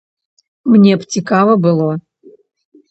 Мне б цікава было.